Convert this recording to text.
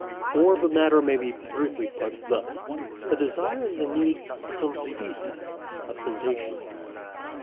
Or the matter may be briefly put thus. A desire is the need • for some species of sensation.